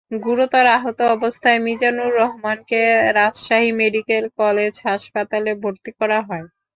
গুরুতর আহত অবস্থায় মিজানুর রহমানকে রাজশাহী মেডিকেল কলেজ হাসপাতালে ভর্তি করা হয়।